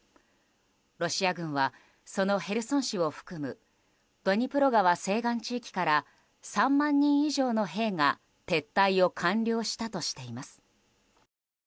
ロシア軍はそのヘルソン市を含むドニプロ川西岸地域から３万人以上の兵が撤退を完了したとしています。